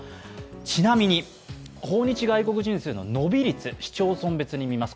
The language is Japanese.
ちなみに、訪日外国人数の伸び率市町村別に見ます。